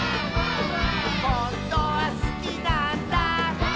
「ほんとはすきなんだ」